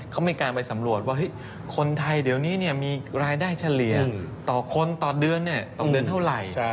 เขามีการไปสำรวจว่าคนไทยเดี๋ยวนี้มีรายได้เฉลี่ยต่อคนต่อเดือนต่อเดือนเท่าไหร่